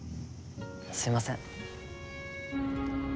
すいません。